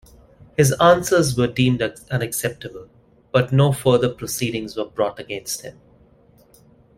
His answers were deemed unacceptable, but no further proceedings were brought against him.